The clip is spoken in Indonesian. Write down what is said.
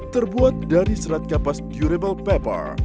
terbuat dari serat kapas durable paper